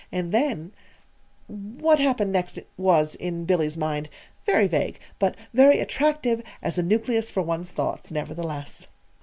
And then What happened next was, in Billy's mind, very vague, but very attractive as a nucleus for one's thoughts, nevertheless.